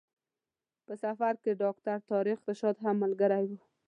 په سفر کې ډاکټر طارق رشاد هم ملګری و.